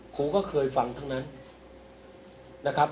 ครูก็เคยฟังทั้งนั้นนะครับ